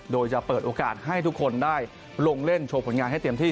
โดยจะเปิดโอกาสให้ทุกคนได้ลงเล่นโชว์ผลงานให้เต็มที่